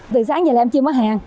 từ sáng giờ em chưa mở hàng